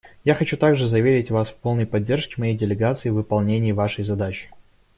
Я хочу также заверить вас в полной поддержке моей делегации в выполнении вашей задачи.